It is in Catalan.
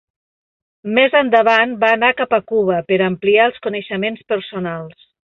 Més endavant va anar cap a Cuba per ampliar els coneixements personals.